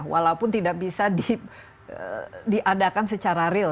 walaupun tidak bisa diadakan secara real